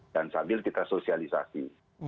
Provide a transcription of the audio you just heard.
dan sambil kita sosialisasi